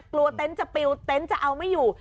กลัวเต็นต์จะเปรี้ยวเต็นต์จะเอาไม่อยู่